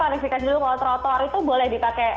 klarifikasi dulu kalau trotoar itu boleh dipakai